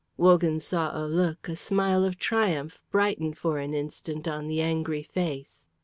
Wogan saw a look, a smile of triumph, brighten for an instant on the angry face.